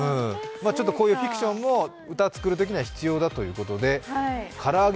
フィクションも歌を作るときには必要だということで唐揚げ